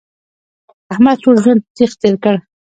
احمد ټول ژوند تریخ تېر کړ.